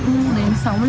một mình chị đã sở hữu